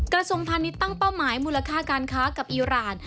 กระทรวงพาณิชย์ตั้งเป้าหมายมูลค่าการค้ากับอีราน